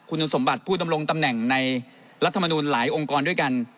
คุณสมบัติผู้ดำรงตำแหน่งในรัฐมนูลหลายองค์กรด้วยกัน